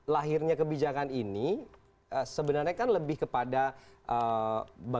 lahirnya kebijakan ini sebenarnya kan lebih kepada